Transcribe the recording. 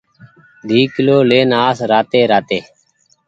ۮي ڪلو لين آس راتي راتي